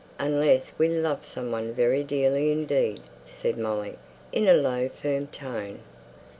"Unless we love some one very dearly indeed," said Molly, in a low, firm tone.